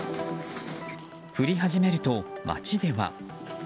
降り始めると、街では。